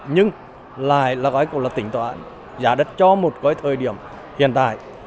nhưng lại là tỉnh tỏa giá đất cho một thời điểm hiện tại